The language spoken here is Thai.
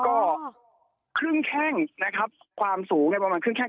ก็ครึ่งแข้งนะครับความสูงเนี่ยประมาณครึ่งแข้ง